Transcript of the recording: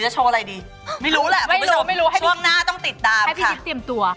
ใช่